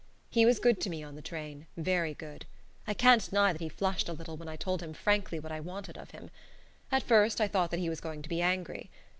He was good to me on the train, very good indeed. I can't deny that he flushed a little when I told him frankly what I wanted of him. At first I thought that he was going to be angry.